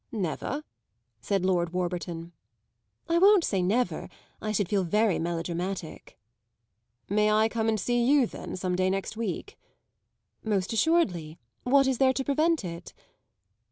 "Never?" said Lord Warburton. "I won't say 'never'; I should feel very melodramatic." "May I come and see you then some day next week?" "Most assuredly. What is there to prevent it?"